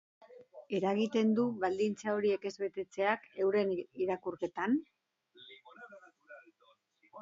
Eragiten du baldintza horiek ez betetzeak euren irakurketan?